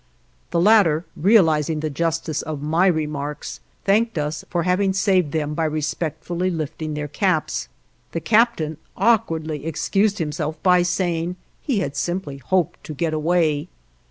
The latter, realizing the justice of my remarks, thanked us for having saved them by respectfully lifting their caps. The captain awkwardly excused himself by saying he had simply hoped to get away.